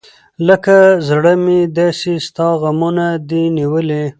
لکه زړه مې داسې ستا غمونه دى نیولي .